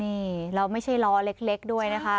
นี่แล้วไม่ใช่ล้อเล็กด้วยนะคะ